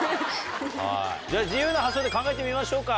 では、自由な発想で考えてみましょうか。